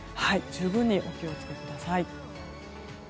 十分にお気を付けください。